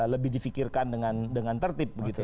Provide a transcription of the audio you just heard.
lebih difikirkan dengan tertib begitu